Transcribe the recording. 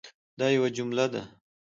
دا یوه جمله ده